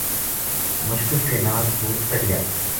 مشکل کے نال بوٹ کڈھیا